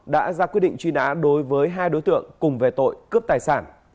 đã ra quyết định truy nã đối với hai đối tượng cùng về tội cướp tài sản